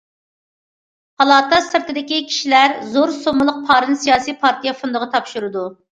پالاتا سىرتىدىكى كىشىلەر زور سوممىلىق پارىنى سىياسىي پارتىيە فوندىغا تاپشۇرىدۇ.